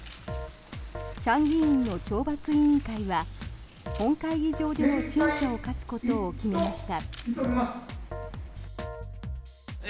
参議院の懲罰委員会は本会議場での陳謝を科すことを決めました。